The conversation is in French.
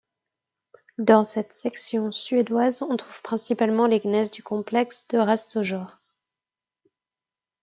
Dans cette section suédoise, on trouve principalement les gneiss du complexe de Råstojaure.